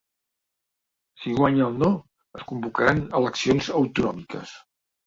Si guanya el no, es convocaran eleccions autonòmiques.